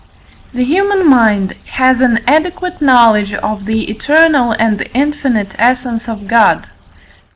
The human mind has an adequate knowledge of the eternal and infinite essence of God.